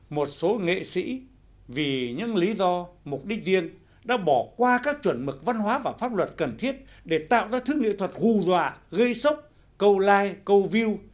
một số nghệ sĩ vì những lý do mục đích riêng đã bỏ qua các chuẩn mực văn hóa và pháp luật cần thiết để tạo ra thứ nghệ thuật hù dọa gây sốc câu like câu view